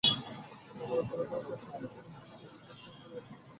অবরোধ তুলে দেওয়ার চেষ্টা করলে পুলিশের সঙ্গে অবরোধকারীদের সংঘর্ষ শুরু হয়।